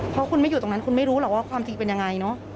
เพราะคุณไม่อยู่ตรงนั้นคุณไม่รู้หรอกว่าความจริงเป็นยังไงเนอะ